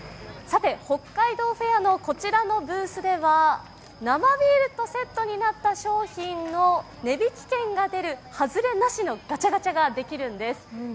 北海道フェアのこちらのブースでは、生ビールがセットになった商品の値引き券が出る、外れなしのガチャガチャができるんです。